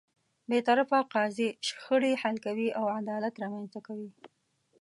بېطرفه قاضی شخړې حل کوي او عدالت رامنځته کوي.